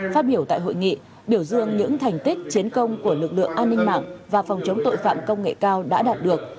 phát biểu tại hội nghị biểu dương những thành tích chiến công của lực lượng an ninh mạng và phòng chống tội phạm công nghệ cao đã đạt được